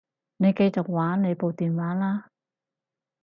你繼續玩你部電話啦